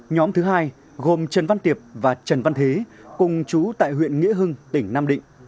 nhóm thứ hai gồm trần văn tiệp và trần văn thế cùng chú tại huyện nghĩa hưng tỉnh nam định